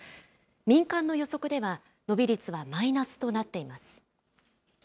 民間の予測では、伸び率はマイナスとなっています。